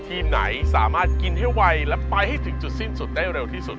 ทีมไหนสามารถกินให้ไวและไปให้ถึงจุดสิ้นสุดได้เร็วที่สุด